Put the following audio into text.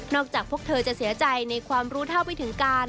จากพวกเธอจะเสียใจในความรู้เท่าไม่ถึงการ